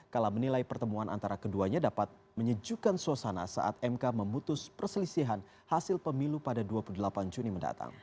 kala menilai pertemuan antara keduanya dapat menyejukkan suasana saat mk memutus perselisihan hasil pemilu pada dua puluh delapan juni mendatang